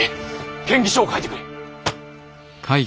建議書を書いてくれ。